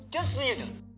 cun setuju cun